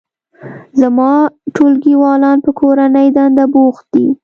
زما ټولګیوالان په کورنۍ دنده بوخت دي